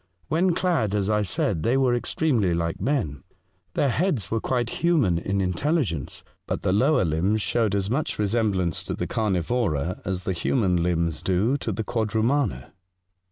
When clad as I said, they T^ ere extremely like men. Their heads were quite human in intelligence, but their lower limbs showed as much resemblance to the carnivora as the human limbs do to the quad rumana